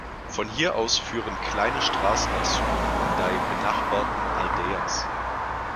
Von hier aus führen kleine Straßen nach Süden in dei benachbarten Aldeias.